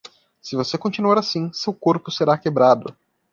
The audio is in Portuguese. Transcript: Se você continuar assim, seu corpo será quebrado.